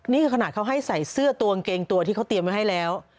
นี่คือขนาดเขาให้ใส่เสื้อตัวกางเกงตัวที่เขาเตรียมไว้ให้แล้ว